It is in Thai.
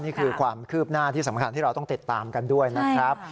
นี่คือความคืบหน้าที่สำคัญที่เราต้องติดตามกันด้วยนะครับ